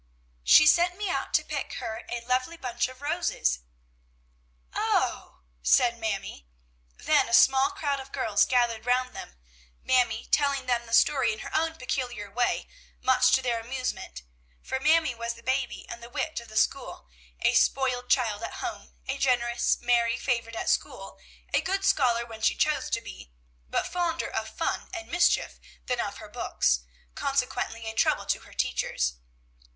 "She sent me out to pick her a lovely bunch of roses." "Oh!" said Mamie. Then a small crowd of girls gathered round them, Mamie telling them the story in her own peculiar way, much to their amusement; for Mamie was the baby and the wit of the school, a spoiled child at home, a generous, merry favorite at school, a good scholar when she chose to be, but fonder of fun and mischief than of her books, consequently a trouble to her teachers.